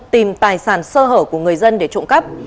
tìm tài sản sơ hở của người dân để trộm cắp